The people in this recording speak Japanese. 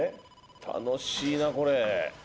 楽しいなこれ。